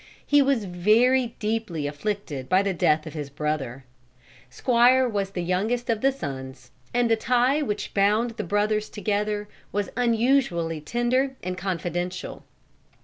He was very deeply afflicted by the death of his brother. Squire was the youngest of the sons, and the tie which bound the brothers together was unusually tender and confidential.